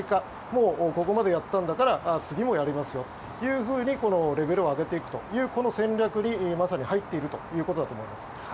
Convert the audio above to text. もうここまでやったんだから次もやりますよというふうにレベルを上げていくというこの戦略にまさに入っているということだと思います。